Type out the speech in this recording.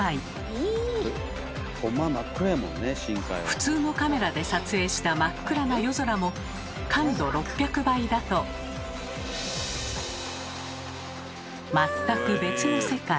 普通のカメラで撮影した真っ暗な夜空も感度６００倍だと全く別の世界。